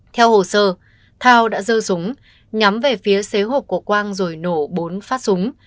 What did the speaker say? theo hồ sơ thao đã dơ súng nhắm về phía xé hộp của quang rồi nổ bốn phát súng